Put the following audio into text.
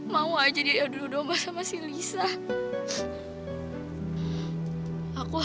mau aja diri adu dudu sama si kakak